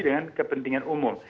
dengan kepentingan umum